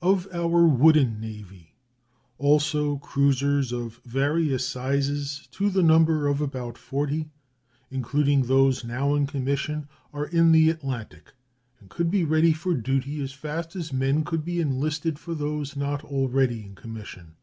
Of our wooden navy also cruisers of various sizes, to the number of about forty, including those now in commission, are in the Atlantic, and could be ready for duty as fast as men could be enlisted for those not already in commission.